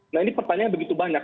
nah ini pertanyaan begitu banyak